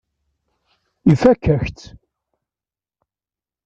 Ifakk-ak-tt.